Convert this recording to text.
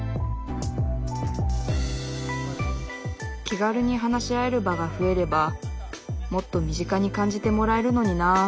気軽に話し合える場が増えればもっと身近に感じてもらえるのになあ